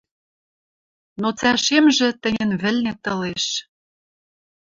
Но цӓшемжӹ тӹньӹн вӹлнет ылеш.